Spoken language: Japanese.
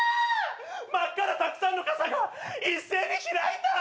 真っ赤なたくさんの傘が一斉に開いた！